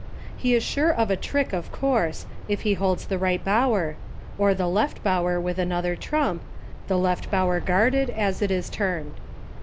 He is sure of a trick, of course, if he holds the Eight Bower, — or the Left Bower with another trump, the Left Bower guarded, as it is termed.